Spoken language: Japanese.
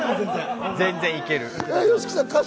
全然いける。